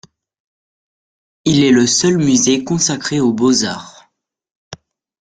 Il est le seul musée consacré aux Beaux-Arts.